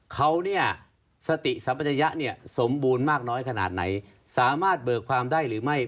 เขาเนี่ยสติสัมปัชยะเนี่ยสมบูรณ์มากน้อยขนาดไหนสามารถเบิกความได้หรือไม่